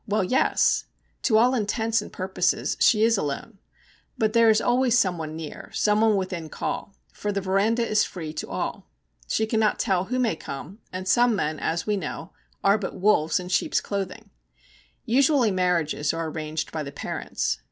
Well, yes. To all intents and purposes she is alone; but there is always someone near, someone within call, for the veranda is free to all. She cannot tell who may come, and some men, as we know, are but wolves in sheep's clothing. Usually marriages are arranged by the parents.